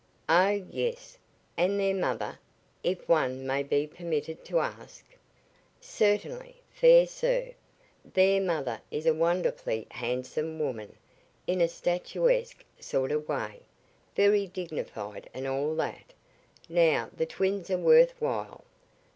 "Oh, yes. And their mother, if one may be permitted to ask?" "Certainly, fair sir Their mother is a wonderfully handsome woman, in a statuesque sort of way. Very dignified, and all that. Now, the twins are worth while."